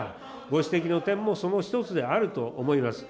ご指摘の点もその１つであると思います。